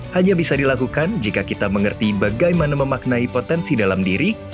hanya bisa dilakukan jika kita mengerti bagaimana memaknai potensi dalam diri